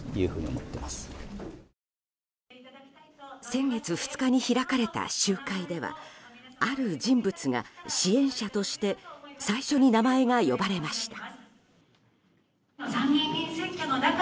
先月２日に開かれた集会ではある人物が支援者として最初に名前が呼ばれました。